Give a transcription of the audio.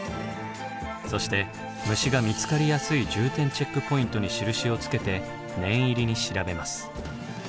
そして虫が見つかりやすい重点チェックポイントに印をつけて念入りに調べます。